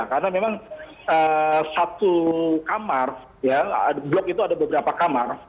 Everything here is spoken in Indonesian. karena memang satu kamar blok itu ada beberapa kamar